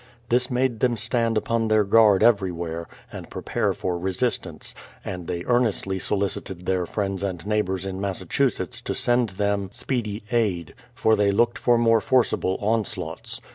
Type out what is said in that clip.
This made them stand upon their guard every where, and prepare for resistance, and they earnestly so licited their friends and neighbours in Massachusetts to send them speedy aid, for they looked for more forcible onslaughts.